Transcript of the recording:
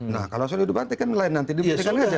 nah kalau sudah dibantah kan nanti dibantahkan nggak ya